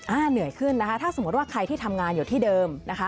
เหนื่อยขึ้นนะคะถ้าสมมุติว่าใครที่ทำงานอยู่ที่เดิมนะคะ